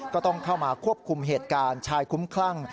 ก็ต้องเข้ามาควบคุมเหตุการณ์ชายคุ้มคลั่ง